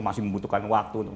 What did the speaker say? masih membutuhkan waktu